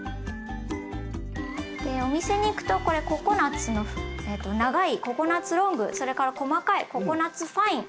お店に行くとこれココナツの長いココナツロングそれから細かいココナツファイン。